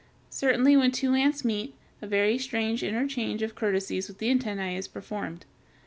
Certainly when two ants meet, a very strange interchange of courtesies with the antennæ is performed.